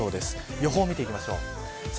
予報を見ていきましょう。